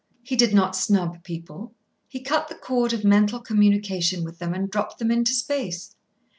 He did not snub people: he cut the cord of mental communication with them and dropped them into space.